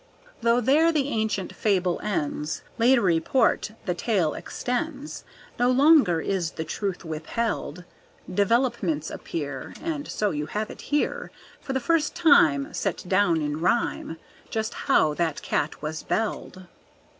Though there the ancient fable ends, Later report the tale extends, No longer is the truth withheld; Developments appear, And so you have it here. For the first time Set down in rhyme Just how that cat was belled.